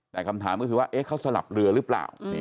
แต่คำถามก็คือว่าเขาสลับเรือหรือเปล่า